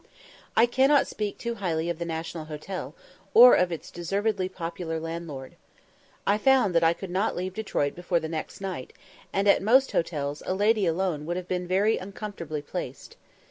I cannot speak too highly of the National Hotel, or of its deservedly popular landlord. I found that I could not leave Detroit before the next night, and at most hotels a lady alone would have been very uncomfortably placed.